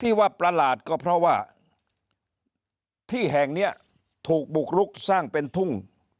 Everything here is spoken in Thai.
ที่ว่าประหลาดก็เพราะว่าที่แห่งนี้ถูกบุกรุกสร้างเป็นทุ่ง